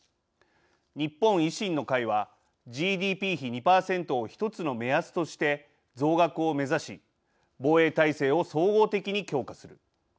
日本維新の会はＧＤＰ比２％を一つの目安として増額を目指し防衛体制を総合的に強化する。